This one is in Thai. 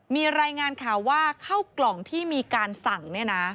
มีรายงานข่าวว่าเข้ากล่องที่มีการสั่งเนี่ยนะ